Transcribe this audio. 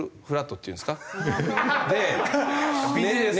ビジネス。